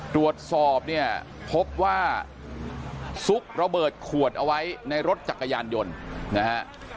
ดรวจสอบพบว่าซุกระเบิดควดเอาไว้ในรถจักรยานยนต์นะครับ